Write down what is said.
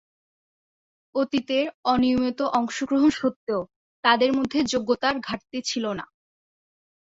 অতীতের অনিয়মিত অংশগ্রহণ স্বত্ত্বেও তাদের মধ্যে যোগ্যতার ঘাটতি ছিল না।